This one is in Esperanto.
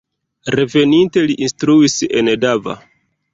Reveninte li instruis en Deva.